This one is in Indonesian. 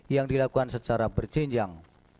yang dilakukan secara berjenjang